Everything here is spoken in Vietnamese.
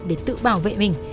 để tự bảo vệ mình